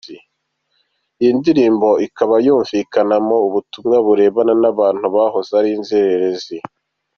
Iyi ndirimbo ikaba yumvikanamo ubutumwa burebana n’abantu bahoze ari inzererezi.